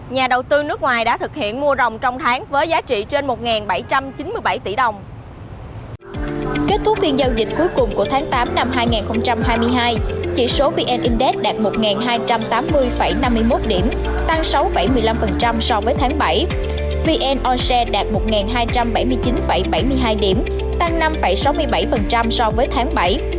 nhà đầu tư nước ngoài đã thực hiện mua rồng trong tháng với giá trị trên một bảy trăm chín mươi bảy tỷ đồng